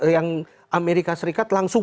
yang amerika serikat langsung